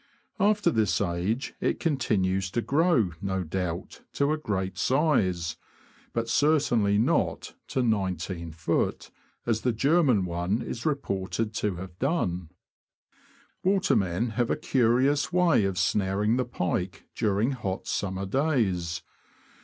After this age it con tinues to grow, no doubt, to a great size, but certainly not to 19ft:., as the German one is re ported to have done. Watermen have a curious way of snaring the pike during hot summer days.